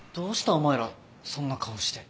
お前らそんな顔して。